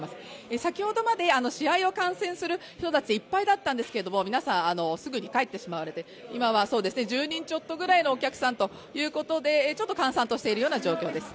先ほどまで試合を観戦する人たちでいっぱいだったんですけれども皆さん、すぐに帰ってしまわれて、今は１０人ちょっとくらいのお客さんということでちょっと閑散としているような状況です。